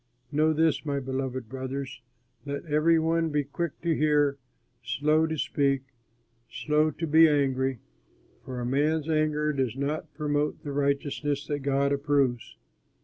Know this, my beloved brothers: let every one be quick to hear, slow to speak, slow to be angry, for a man's anger does not promote the righteousness that God approves.